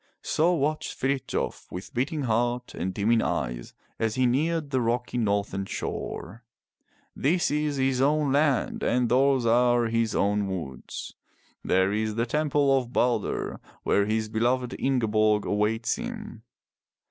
So watched Frithjof with beating heart and dimming eyes as he neared the rocky northern shore. This is his own land and those are his own woods. There is the temple of Balder where his beloved Ingeborg awaits him.